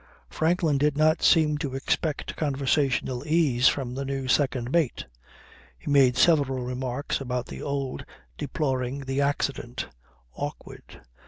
Franklin did not seem to expect conversational ease from the new second mate. He made several remarks about the old, deploring the accident. Awkward.